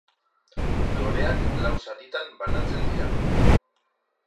Loreak lau zatitan banatzen dira.